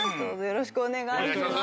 よろしくお願いします。